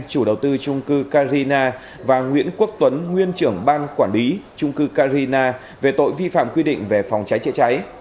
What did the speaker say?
chủ đầu tư trung cư carina và nguyễn quốc tuấn nguyên trưởng ban quản lý trung cư carina về tội vi phạm quy định về phòng cháy chữa cháy